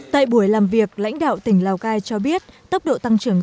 tại buổi làm việc lãnh đạo tỉnh lào cai cho biết tốc độ tăng trưởng